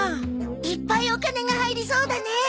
いっぱいお金が入りそうだね！